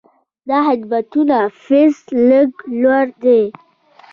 د خدماتو فیس لږ لوړ دی.